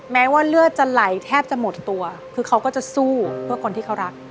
แม้ว่าเลือดจะไหลแทบจะหมดตัวคือเขาก็จะสู้เพื่อคนที่เขารัก